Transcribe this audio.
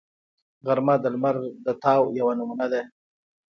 غرمه د لمر د تاو یوه نمونه ده